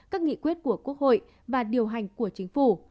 các nghị quyết của quốc hội và điều hành của chính phủ